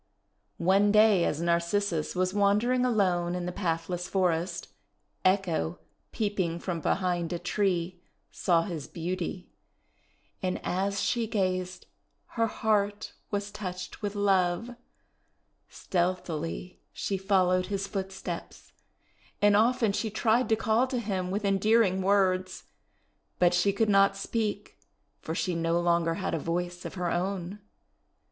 One day as Narcissus was wandering alone in the pathless forest, Echo, peeping from behind a tree, saw his beauty; and as she gazed her heart was touched with love. Stealthily she followed his footsteps, and often she tried to call to him with endearing words; but she could not speak, for she no longer had a voice of her own.